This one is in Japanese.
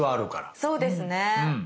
そうですね。